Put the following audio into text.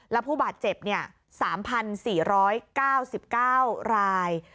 และผู้บาดเจ็บ๓๔๙๙ราย